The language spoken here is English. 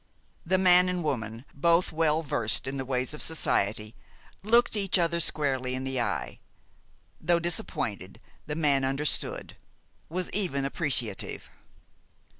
The man and woman, both well versed in the ways of society, looked each other squarely in the eye. Though disappointed, the man understood, was even appreciative.